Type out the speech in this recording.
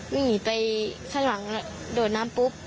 วิ่งหนีไปข้างหลังโดดน้ำปุ๊บ